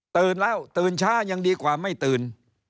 ตื่นแล้วตื่นช้ายังดีกว่าไม่ตื่น